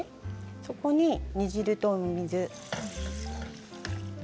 そこに煮汁と水。